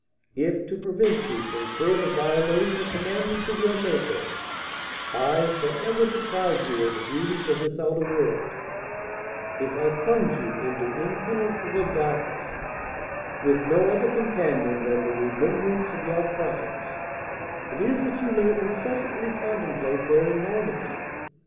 If, to prevent you from further violating the commandments of your Maker, I for ever deprive you of the beauties of this outer world, if I plunge you into impenetrable darkness, with no other companion than the remembrance of your crimes, it is that you may incessantly contemplate their enormity.